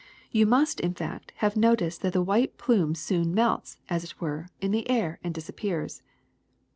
You must, in fact, have noticed that the white plume soon melts, as it were, in the air and disappears.